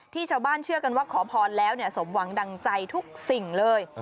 ชาวบ้านเชื่อกันว่าขอพรแล้วสมหวังดังใจทุกสิ่งเลย